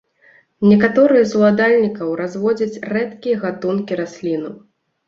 Некаторыя з уладальнікаў разводзяць рэдкія гатункі раслінаў.